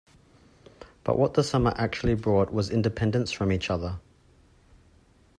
But what the summer actually brought was independence from each other.